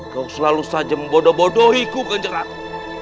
kau selalu saja membodoh bodohiku kajang ratu